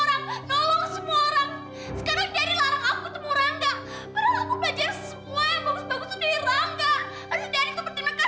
padahal aku belajar semua yang bagus bagus itu dari rangga